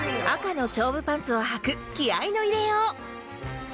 赤の勝負パンツをはく気合の入れよう